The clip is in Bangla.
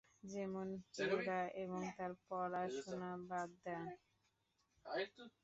যেমন ক্রীড়া এবং তার পড়াশুনা বাদ দেয়া।